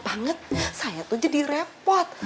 banget saya tuh jadi repot